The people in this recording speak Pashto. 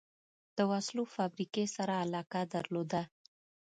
د وسلو فابریکې سره علاقه درلوده.